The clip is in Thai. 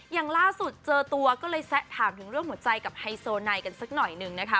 อย่างล่าสุดเจอตัวก็เลยแซะถามถึงเรื่องหัวใจกับไฮโซไนกันสักหน่อยหนึ่งนะคะ